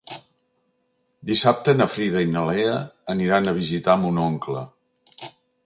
Dissabte na Frida i na Lea aniran a visitar mon oncle.